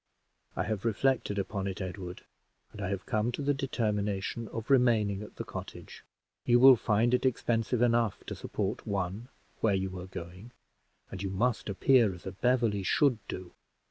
"I have reflected upon it, Edward, and I have come to the determination of remaining at the cottage. You will find it expensive enough to support one where you are going, and you must appear as a Beverley should do.